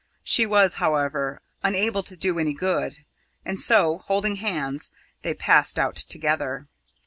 She was, however, unable to do any good, and so, holding hands, they passed out together.